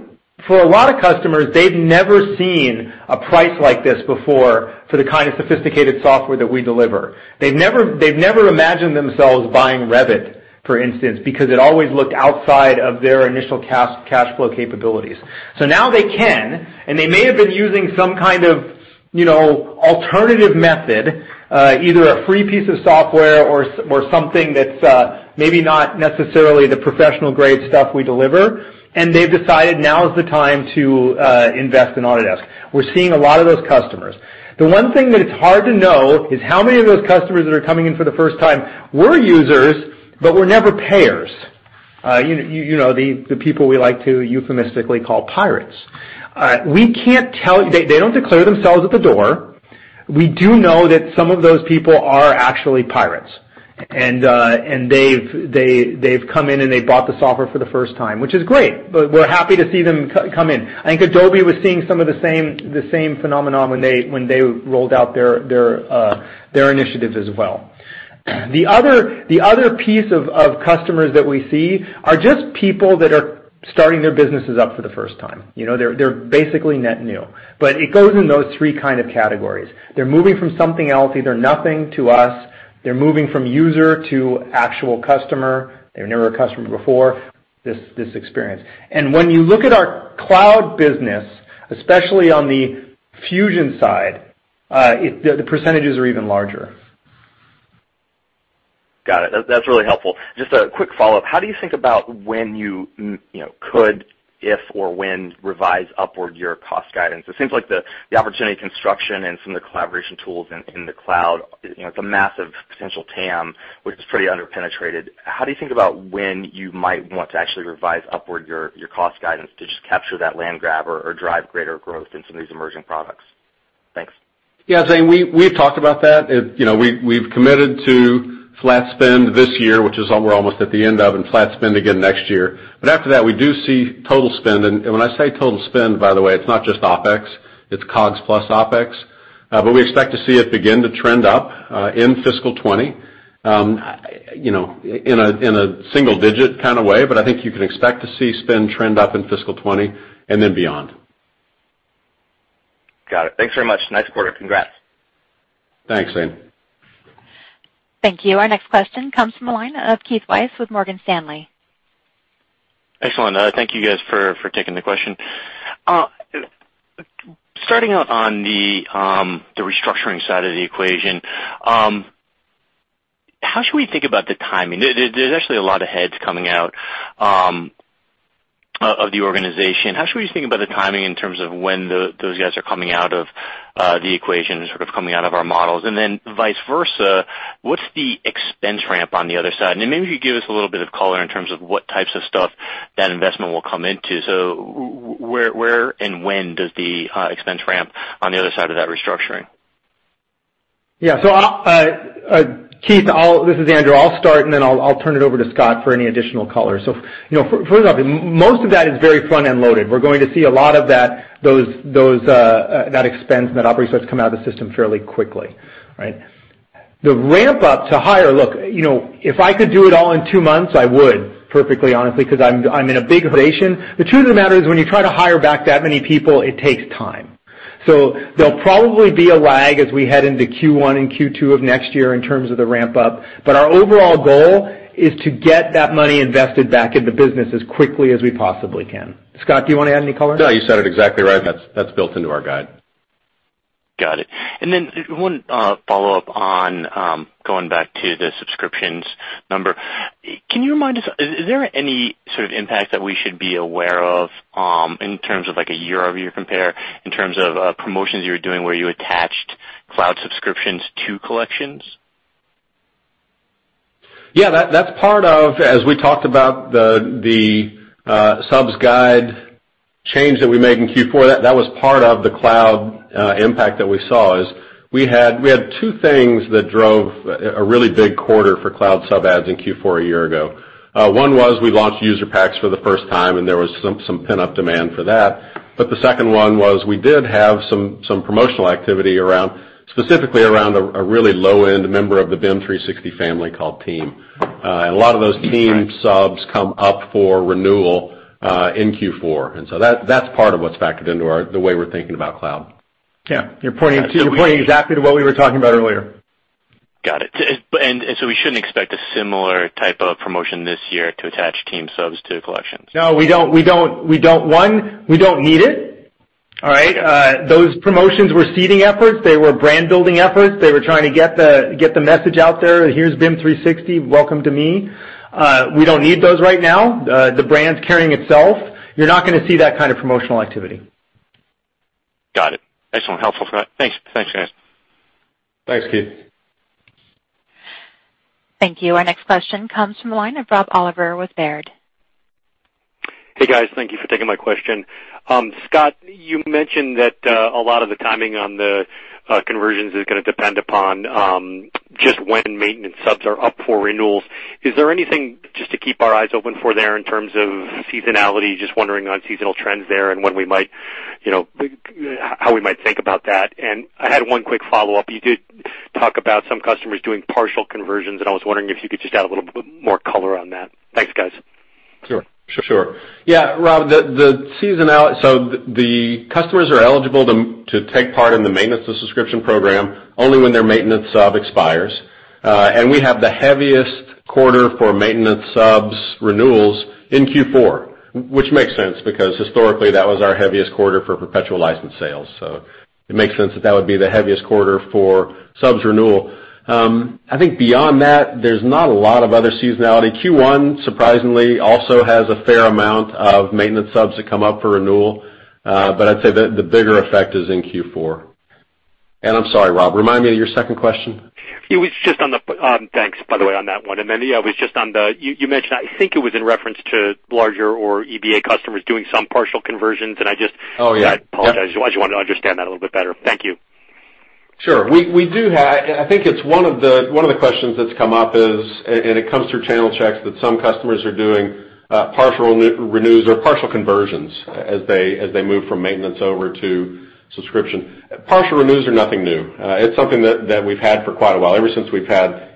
for a lot of customers, they've never seen a price like this before for the kind of sophisticated software that we deliver. They've never imagined themselves buying Revit, for instance, because it always looked outside of their initial cash flow capabilities. So now they can, and they may have been using some kind of alternative method, either a free piece of software or something that's maybe not necessarily the professional-grade stuff we deliver, and they've decided now is the time to invest in Autodesk. We're seeing a lot of those customers. The one thing that it's hard to know is how many of those customers that are coming in for the first time were users, but were never payers. The people we like to euphemistically call pirates. We can't tell. They don't declare themselves at the door. We do know that some of those people are actually pirates, and they've come in and they bought the software for the first time, which is great. We're happy to see them come in. I think Adobe was seeing some of the same phenomenon when they rolled out their initiatives as well. The other piece of customers that we see are just people that are Starting their businesses up for the first time. They're basically net new. It goes in those three kind of categories. They're moving from something else, either nothing to us, they're moving from user to actual customer, they were never a customer before this experience. And when you look at our cloud business, especially on the Fusion side, the percentages are even larger. Got it. That's really helpful. Just a quick follow-up. How do you think about when you could, if or when, revise upward your cost guidance? It seems like the opportunity construction and some of the collaboration tools in the cloud, it's a massive potential TAM, which is pretty under-penetrated. How do you think about when you might want to actually revise upward your cost guidance to just capture that land grab or drive greater growth in some of these emerging products? Thanks. Yeah, Zane, we've talked about that. We've committed to flat spend this year, which is we're almost at the end of, and flat spend again next year. After that, we do see total spend. When I say total spend, by the way, it's not just OpEx, it's COGS plus OpEx. We expect to see it begin to trend up, in fiscal 2020, in a single-digit kind of way. I think you can expect to see spend trend up in fiscal 2020 and then beyond. Got it. Thanks very much. Nice quarter. Congrats. Thanks, Zane. Thank you. Our next question comes from the line of Keith Weiss with Morgan Stanley. Excellent. Thank you guys for taking the question. Starting out on the restructuring side of the equation, how should we think about the timing? There's actually a lot of heads coming out of the organization. How should we think about the timing in terms of when those guys are coming out of the equation and sort of coming out of our models? Vice versa, what's the expense ramp on the other side? Maybe if you could give us a little bit of color in terms of what types of stuff that investment will come into. Where and when does the expense ramp on the other side of that restructuring? Yeah. Keith, this is Andrew. I'll start, then I'll turn it over to Scott for any additional color. First off, most of that is very front-end loaded. We're going to see a lot of that expense and that operating expense come out of the system fairly quickly, right? Look, if I could do it all in two months, I would, perfectly honestly, because I'm in a big hurry. The truth of the matter is, when you try to hire back that many people, it takes time. There'll probably be a lag as we head into Q1 and Q2 of next year in terms of the ramp up. Our overall goal is to get that money invested back into business as quickly as we possibly can. Scott, do you want to add any color? No, you said it exactly right, that's built into our guide. Got it. One follow-up on, going back to the subscriptions number. Can you remind us, is there any sort of impact that we should be aware of in terms of, like, a year-over-year compare in terms of promotions you were doing where you attached cloud subscriptions to collections? Yeah, that's part of, as we talked about the subs guide change that we made in Q4, that was part of the cloud impact that we saw, is we had two things that drove a really big quarter for cloud sub adds in Q4 a year ago. One was we launched user packs for the first time, there was some pent-up demand for that. The second one was we did have some promotional activity, specifically around a really low-end member of the BIM 360 family called Team. A lot of those Team subs come up for renewal, in Q4. That's part of what's factored into the way we're thinking about cloud. Yeah. You're pointing exactly to what we were talking about earlier. Got it. We shouldn't expect a similar type of promotion this year to attach Team subs to collections. No, we don't. One, we don't need it. All right? Those promotions were seeding efforts. They were brand-building efforts. They were trying to get the message out there. Here's BIM 360. Welcome to me. We don't need those right now. The brand's carrying itself. You're not going to see that kind of promotional activity. Got it. Excellent. Helpful, Scott. Thanks. Thanks, guys. Thanks, Keith. Thank you. Our next question comes from the line of Rob Oliver with Baird. Hey, guys. Thank you for taking my question. Scott, you mentioned that a lot of the timing on the conversions is going to depend upon just when maintenance subs are up for renewals. Is there anything just to keep our eyes open for there in terms of seasonality? Just wondering on seasonal trends there and how we might think about that. I had one quick follow-up. You did talk about some customers doing partial conversions, and I was wondering if you could just add a little bit more color on that. Thanks, guys. Sure. Yeah, Rob. The customers are eligible to take part in the Maintenance to Subscription program only when their maintenance sub expires. We have the heaviest quarter for maintenance subs renewals in Q4, which makes sense because historically that was our heaviest quarter for perpetual license sales. It makes sense that would be the heaviest quarter for subs renewal. I think beyond that, there's not a lot of other seasonality. Q1 surprisingly also has a fair amount of maintenance subs that come up for renewal. I'd say the bigger effect is in Q4. I'm sorry, Rob, remind me of your second question. It was just on the, Thanks, by the way, on that one. Yeah, it was just on the, You mentioned, I think it was in reference to larger or EBA customers doing some partial conversions. Oh, yeah. I apologize. I just wanted to understand that a little bit better. Thank you. Sure. I think it's one of the questions that's come up is, and it comes through channel checks, that some customers are doing partial renews or partial conversions as they move from maintenance over to subscription. Partial renews are nothing new. It's something that we've had for quite a while, ever since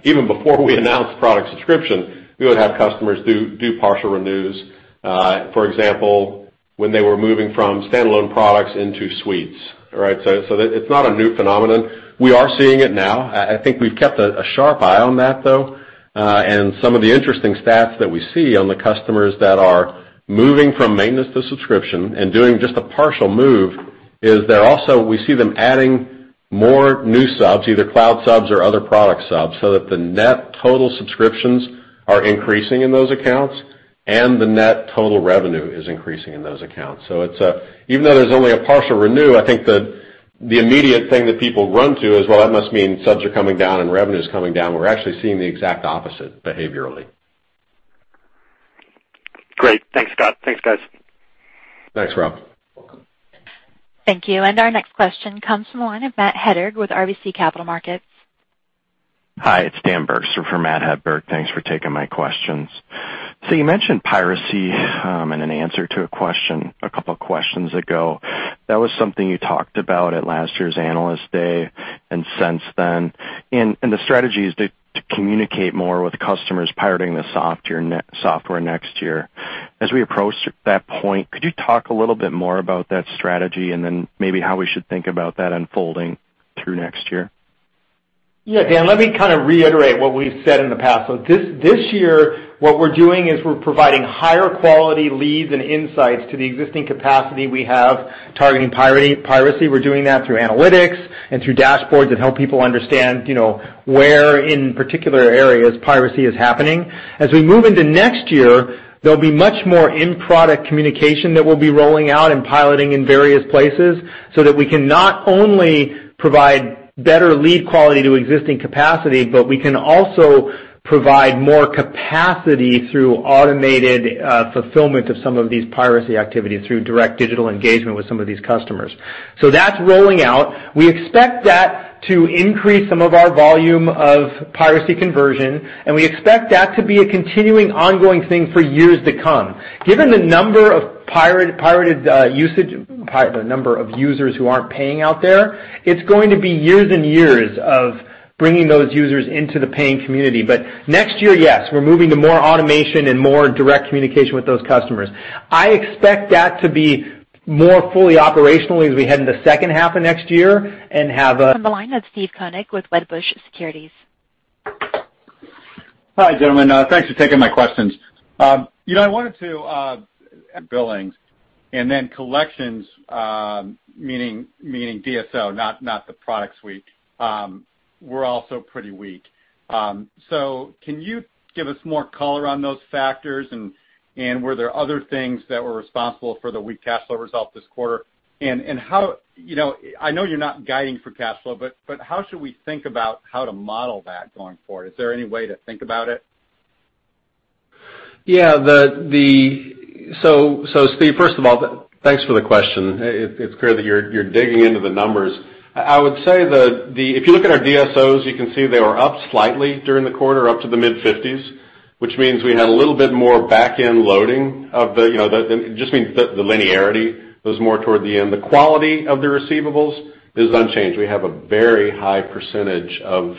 Even before we announced product subscription, we would have customers do partial renews. For example, when they were moving from standalone products into Suites. It's not a new phenomenon. We are seeing it now. I think we've kept a sharp eye on that, though. Some of the interesting stats that we see on the customers that are moving from maintenance to subscription and doing just a partial move, is that also we see them adding more new subs, either cloud subs or other product subs, so that the net total subscriptions are increasing in those accounts, and the net total revenue is increasing in those accounts. Even though there's only a partial renew, I think the immediate thing that people run to is, "Well, that must mean subs are coming down and revenue's coming down." We're actually seeing the exact opposite behaviorally. Great. Thanks, Scott. Thanks, guys. Thanks, Rob. Welcome. Thank you. Our next question comes from the line of Matt Hedberg with RBC Capital Markets. Hi, it's Dan Bergstrom for Matt Hedberg, thanks for taking my questions. You mentioned piracy in an answer to a question a couple of questions ago. That was something you talked about at last year's Analyst Day and since then. The strategy is to communicate more with customers pirating the software next year. As we approach that point, could you talk a little bit more about that strategy and then maybe how we should think about that unfolding through next year? Dan, let me kind of reiterate what we've said in the past. This year, what we're doing is we're providing higher quality leads and insights to the existing capacity we have targeting piracy. We're doing that through analytics and through dashboards that help people understand where in particular areas piracy is happening. As we move into next year, there'll be much more in-product communication that we'll be rolling out and piloting in various places so that we can not only provide better lead quality to existing capacity, but we can also provide more capacity through automated fulfillment of some of these piracy activities through direct digital engagement with some of these customers. That's rolling out. We expect that to increase some of our volume of piracy conversion, and we expect that to be a continuing, ongoing thing for years to come. Given the number of users who aren't paying out there, it's going to be years and years of bringing those users into the paying community. Next year, yes, we're moving to more automation and more direct communication with those customers. I expect that to be more fully operational as we head into the second half of next year and have a- From the line, that's Steve Koenig with Wedbush Securities. Hi, gentlemen. Thanks for taking my questions. Billings and then collections, meaning DSO, not the products suite were also pretty weak. Can you give us more color on those factors and were there other things that were responsible for the weak cash flow result this quarter? I know you're not guiding for cash flow, how should we think about how to model that going forward? Is there any way to think about it? Yeah. Steve, first of all, thanks for the question. It's clear that you're digging into the numbers. I would say that if you look at our DSOs, you can see they were up slightly during the quarter, up to the mid-50s, which means we had a little bit more back-end loading. It just means that the linearity was more toward the end. The quality of the receivables is unchanged. We have a very high percentage of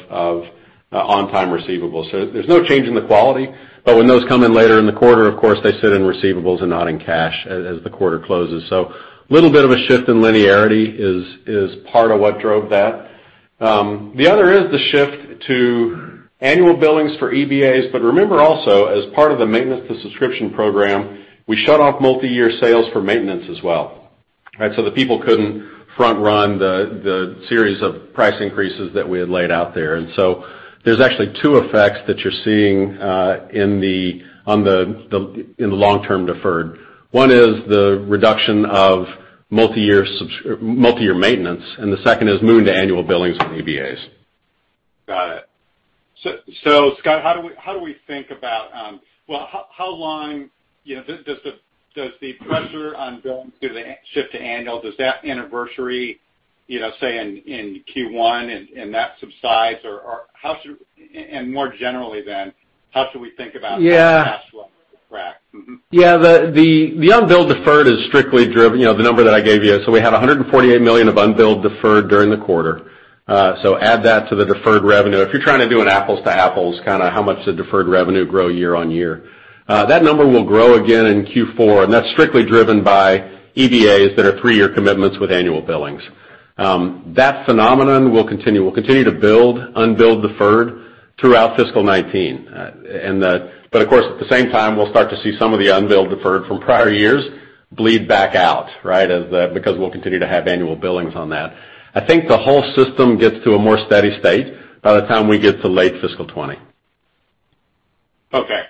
on-time receivables. There's no change in the quality, but when those come in later in the quarter, of course, they sit in receivables and not in cash as the quarter closes. A little bit of a shift in linearity is part of what drove that. The other is the shift to annual billings for EBAs. Remember also, as part of the Maintenance to Subscription program, we shut off multi-year sales for maintenance as well. The people couldn't front-run the series of price increases that we had laid out there. There's actually two effects that you're seeing in the long-term deferred. One is the reduction of multi-year maintenance, and the second is moving to annual billings on EBAs. Got it. Scott, how do we think about how long does the pressure on billings through the shift to annual, does that anniversary say in Q1 and that subsides? More generally then, how should we think about- Yeah cash flow going forward? The unbilled deferred is strictly driven, the number that I gave you. We had $148 million of unbilled deferred during the quarter. Add that to the deferred revenue. If you're trying to do an apples to apples, how much the deferred revenue grow year-on-year. That number will grow again in Q4, and that's strictly driven by EBAs that are three-year commitments with annual billings. That phenomenon will continue. We'll continue to build unbilled deferred throughout fiscal 2019. Of course, at the same time, we'll start to see some of the unbilled deferred from prior years bleed back out, because we'll continue to have annual billings on that. I think the whole system gets to a more steady state by the time we get to late fiscal 2020. Okay.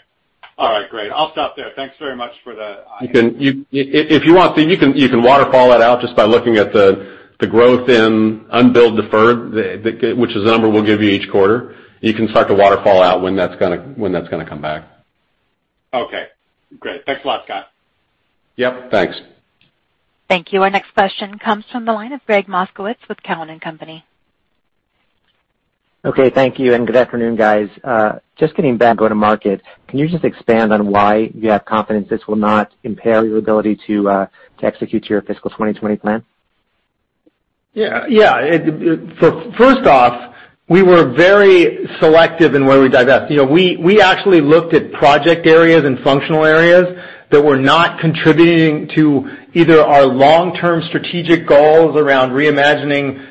All right, great. I'll stop there. Thanks very much for the. If you want, Steve, you can waterfall that out just by looking at the growth in unbilled deferred, which is a number we'll give you each quarter. You can start to waterfall out when that's going to come back. Okay, great. Thanks a lot, Scott. Yep, thanks. Thank you. Our next question comes from the line of Gregg Moskowitz with Cowen and Company. Okay, thank you, and good afternoon, guys. Just getting back go-to-market, can you just expand on why you have confidence this will not impair your ability to execute your fiscal 2020 plan? Yeah. First off, we were very selective in where we divested. We actually looked at project areas and functional areas that were not contributing to either our long-term strategic goals around reimagining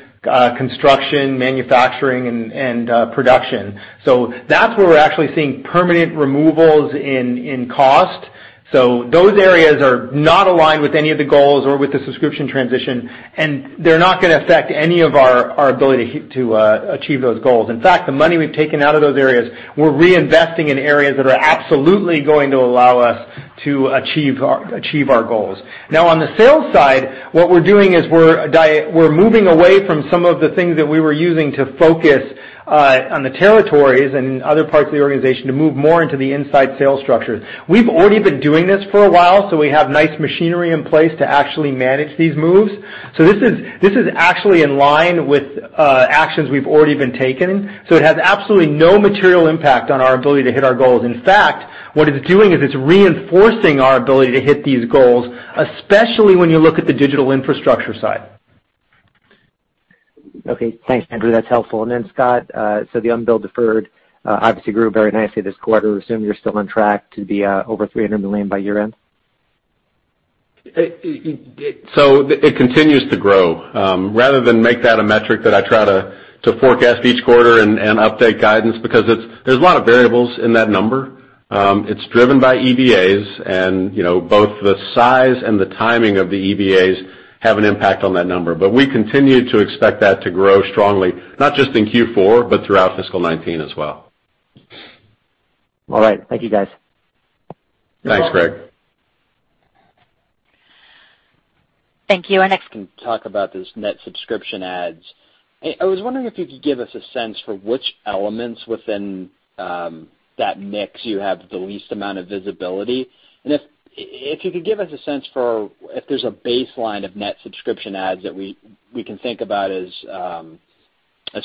construction, manufacturing, and production. That's where we're actually seeing permanent removals in cost. Those areas are not aligned with any of the goals or with the subscription transition, and they're not going to affect any of our ability to achieve those goals. In fact, the money we've taken out of those areas, we're reinvesting in areas that are absolutely going to allow us to achieve our goals. On the sales side, what we're doing is we're moving away from some of the things that we were using to focus on the territories and other parts of the organization to move more into the inside sales structure. We've already been doing this for a while, so we have nice machinery in place to actually manage these moves. This is actually in line with actions we've already been taking, so it has absolutely no material impact on our ability to hit our goals. In fact, what it's doing is it's reinforcing our ability to hit these goals, especially when you look at the digital infrastructure side. Thanks, Andrew. That's helpful. Scott, the unbilled deferred obviously grew very nicely this quarter. I assume you're still on track to be over $300 million by year-end? It continues to grow. Rather than make that a metric that I try to forecast each quarter and update guidance, because there's a lot of variables in that number. It's driven by EBAs and both the size and the timing of the EBAs have an impact on that number. We continue to expect that to grow strongly, not just in Q4, but throughout fiscal 2019 as well. All right. Thank you, guys. Thanks, Gregg. Thank you. Can you talk about those net subscription adds. I was wondering if you could give us a sense for which elements within that mix you have the least amount of visibility. If you could give us a sense for if there's a baseline of net subscription adds that we can think about as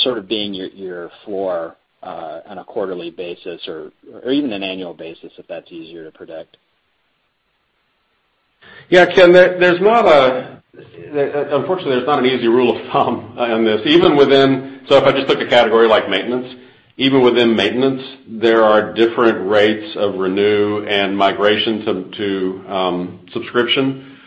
sort of being your floor on a quarterly basis or even an annual basis, if that's easier to predict. Yeah, Ken, unfortunately, there's not an easy rule of thumb on this. If I just took a category like maintenance, even within maintenance, there are different rates of renew and migration to subscription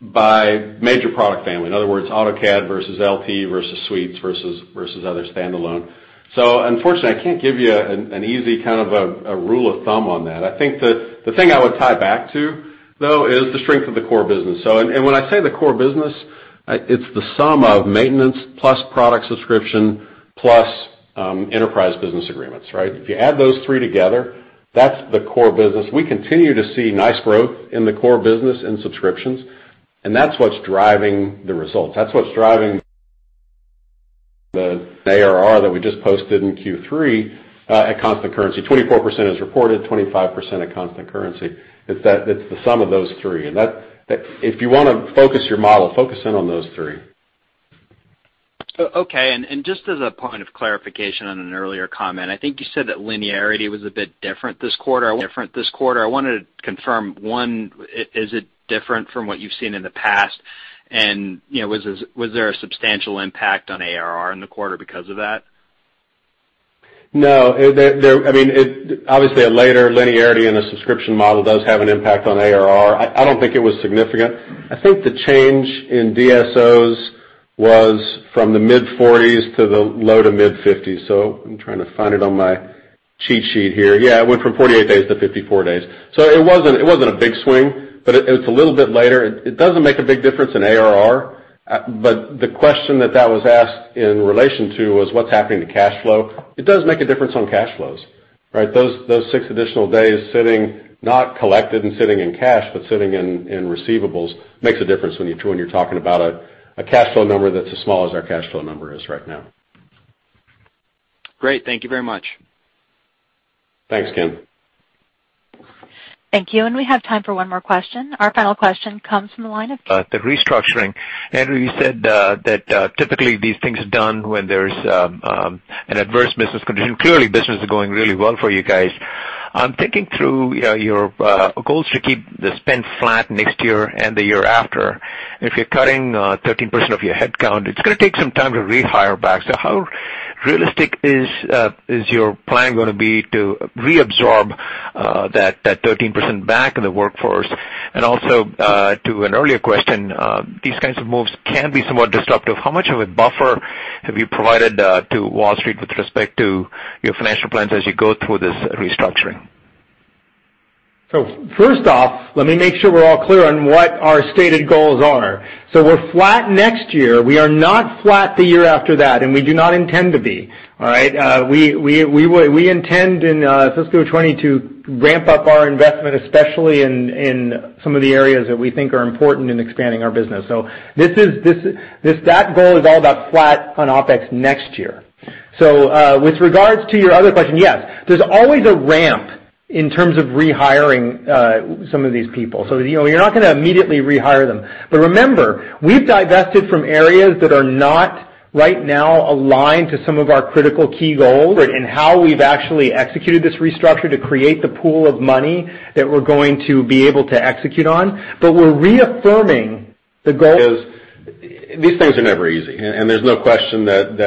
by major product family. In other words, AutoCAD versus AutoCAD LT versus Autodesk Suites versus other standalone. Unfortunately, I can't give you an easy kind of a rule of thumb on that. I think the thing I would tie back to, though, is the strength of the core business. When I say the core business, it's the sum of maintenance plus product subscription plus enterprise business agreements, right? If you add those three together, that's the core business. We continue to see nice growth in the core business in subscriptions, and that's what's driving the results. That's what's driving the ARR that we just posted in Q3 at constant currency. 24% is reported, 25% at constant currency. It's the sum of those three. If you want to focus your model, focus in on those three. Okay. Just as a point of clarification on an earlier comment, I think you said that linearity was a bit different this quarter. I wanted to confirm, one, is it different from what you've seen in the past? Was there a substantial impact on ARR in the quarter because of that? No. Obviously, a later linearity in a subscription model does have an impact on ARR. I don't think it was significant. I think the change in DSOs was from the mid 40s to the low to mid 50s. I'm trying to find it on my cheat sheet here. Yeah, it went from 48 days to 54 days. It wasn't a big swing, but it's a little bit later. It doesn't make a big difference in ARR, but the question that that was asked in relation to was what's happening to cash flow. It does make a difference on cash flows, right? Those six additional days sitting, not collected and sitting in cash, but sitting in receivables, makes a difference when you're talking about a cash flow number that's as small as our cash flow number is right now. Great. Thank you very much. Thanks, Ken. Thank you. We have time for one more question. Our final question comes from the line. The restructuring. Andrew, you said that typically these things are done when there's an adverse business condition. Clearly, business is going really well for you guys. I'm thinking through your goals to keep the spend flat next year and the year after. If you're cutting 13% of your headcount, it's going to take some time to rehire back. How realistic is your plan going to be to reabsorb that 13% back in the workforce? Also, to an earlier question, these kinds of moves can be somewhat disruptive. How much of a buffer have you provided to Wall Street with respect to your financial plans as you go through this restructuring? First off, let me make sure we're all clear on what our stated goals are. We're flat next year. We are not flat the year after that, and we do not intend to be. All right? We intend in fiscal 2020 to ramp up our investment, especially in some of the areas that we think are important in expanding our business. That goal is all about flat on OpEx next year. With regards to your other question, yes, there's always a ramp in terms of rehiring some of these people. You're not going to immediately rehire them. Remember, we've divested from areas that are Right now aligned to some of our critical key goals and how we've actually executed this restructure to create the pool of money that we're going to be able to execute on. We're reaffirming the goal. These things are never easy, there's no question that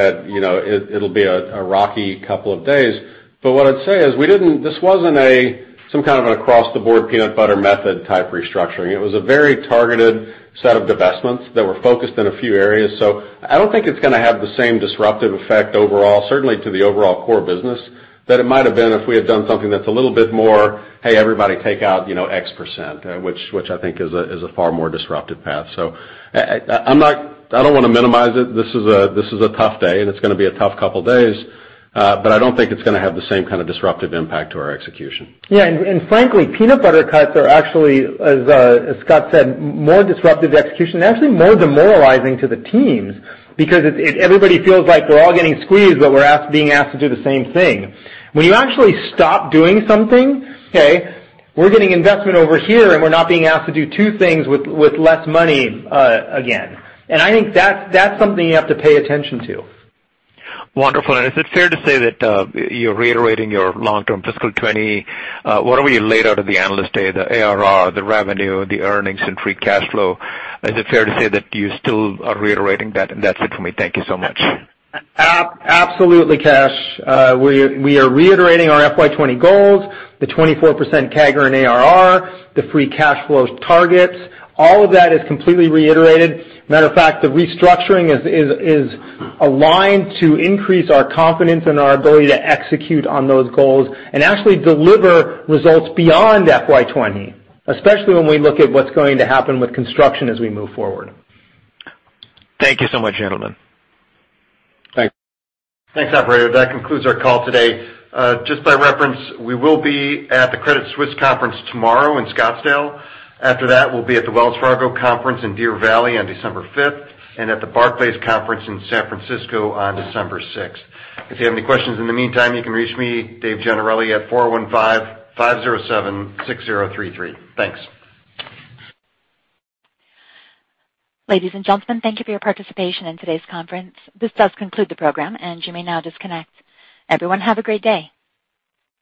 it'll be a rocky couple of days. What I'd say is this wasn't some kind of an across-the-board peanut butter method type restructuring. It was a very targeted set of divestments that were focused in a few areas. I don't think it's going to have the same disruptive effect overall, certainly to the overall core business, that it might have been if we had done something that's a little bit more, "Hey, everybody take out X percent," which I think is a far more disruptive path. I don't want to minimize it. This is a tough day and it's going to be a tough couple of days. I don't think it's going to have the same kind of disruptive impact to our execution. Frankly, peanut butter cuts are actually, as Scott said, more disruptive to execution. They're actually more demoralizing to the teams because everybody feels like we're all getting squeezed, but we're being asked to do the same thing. When you actually stop doing something, okay, we're getting investment over here, we're not being asked to do two things with less money again. I think that's something you have to pay attention to. Wonderful. Is it fair to say that you're reiterating your long-term fiscal 2020, whatever you laid out at the Analyst Day, the ARR, the revenue, the earnings, and free cash flow, is it fair to say that you still are reiterating that? That's it for me. Thank you so much. Absolutely, Kash. We are reiterating our FY 2020 goals, the 24% CAGR in ARR, the free cash flow targets. All of that is completely reiterated. Matter of fact, the restructuring is aligned to increase our confidence and our ability to execute on those goals and actually deliver results beyond FY 2020, especially when we look at what's going to happen with construction as we move forward. Thank you so much, gentlemen. Thanks. Thanks, operator. That concludes our call today. Just by reference, we will be at the Credit Suisse conference tomorrow in Scottsdale. After that, we'll be at the Wells Fargo conference in Deer Valley on December 5th, and at the Barclays conference in San Francisco on December 6th. If you have any questions in the meantime, you can reach me, David Gennarelli, at 415-507-6033. Thanks. Ladies and gentlemen, thank you for your participation in today's conference. This does conclude the program, and you may now disconnect. Everyone, have a great day.